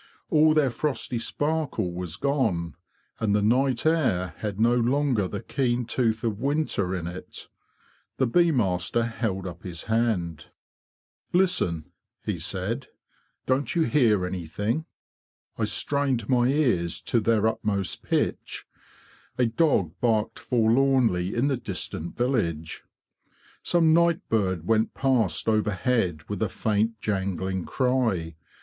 All their frosty sparkle was gone, and the night air had no longer the keen tooth of winter in it. The bee master held up his hand. "Listen! '' he said. " Don't you hear any thing? " I strained my ears to their utmost pitch. A dog barked forlornly in the distant village. Some night bird went past overhead with a faint jangling cry.